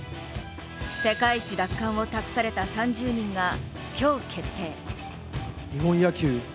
世界一奪還を託された３０人が今日決定。